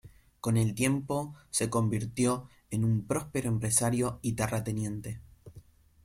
Con el tiempo se convirtió en un próspero empresario y terrateniente.